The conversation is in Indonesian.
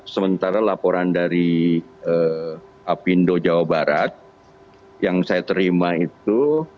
sementara laporan dari apindo jawa barat yang saya terima itu